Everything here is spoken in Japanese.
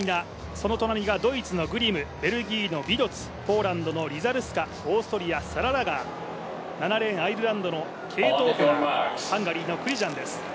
その隣がドイツのグリム、ベルギーのビドツ、ポーランドのリガルスカ、オーストリア、サラ・ラガー、ハンガリーのケート・オコナー、ハンガリーのクリジャンです。